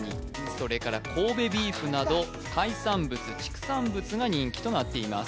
それから神戸ビーフなど海産物畜産物が人気となっています